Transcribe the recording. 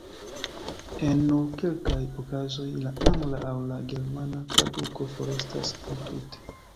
En nur kelkaj okazoj la angla aŭ la germana traduko forestas entute.